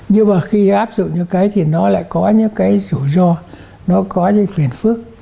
nhưng mà khi áp dụng những cái thì nó lại có những cái rủi ro nó có những phiền phức